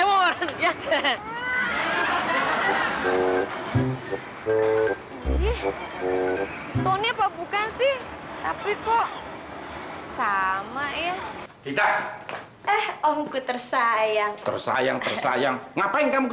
oh tony apa bukan sih tapi kok sama ya kita eh om ku tersayang tersayang tersayang ngapain kamu